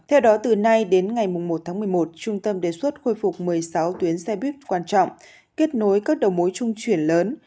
theo đó từ nay đến ngày một tháng một mươi một trung tâm đề xuất khôi phục một mươi sáu tuyến xe buýt quan trọng kết nối các đầu mối trung chuyển lớn